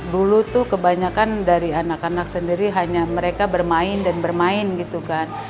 dulu tuh kebanyakan dari anak anak sendiri hanya mereka bermain dan bermain gitu kan